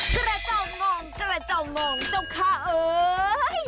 กระเจ้างองกระเจ้างองเจ้าค่าเอ้ย